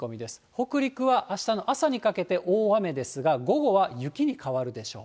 北陸はあしたの朝にかけて大雨ですが、午後は雪に変わるでしょう。